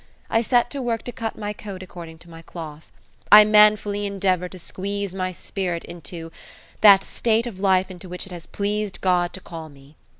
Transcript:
I set to work to cut my coat according to my cloth. I manfully endeavoured to squeeze my spirit into "that state of life into which it has pleased God to call me".